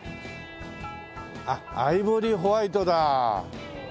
あっアイボリーホワイトだ。